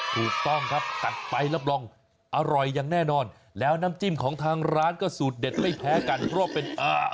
ถูกต้องครับตัดไปรับรองอร่อยอย่างแน่นอนแล้วน้ำจิ้มของทางร้านก็สูตรเด็ดไม่แพ้กันเพราะว่าเป็นอ่า